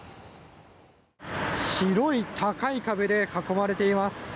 白い高い壁で囲われています。